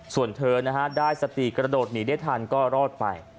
ส่วนเธอนะฮะได้สติกระโดดหนีได้ทันก็รอดไป